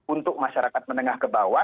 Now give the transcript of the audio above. untuk masyarakat menengah ke bawah